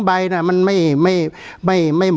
การแสดงความคิดเห็น